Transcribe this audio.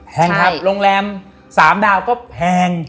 แพงครับโรงแรม๓ดาวก็แพง